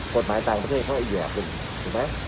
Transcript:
ก็จะมีการจิลละชาผู้คุยที่เค้า